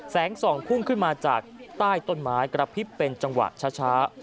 แสงส่องพุ่งขึ้นมาจากใต้ต้นไม้กระพริบเป็นจังหวะช้า